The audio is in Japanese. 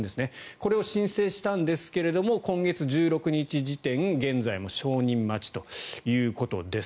これを申請したんですが今月１６日時点現在も承認待ちということです。